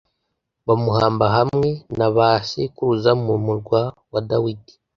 bamuhamba hamwe na ba sekuruza mu Murwa wa Dawidi